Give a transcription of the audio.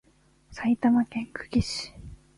埼玉県久喜市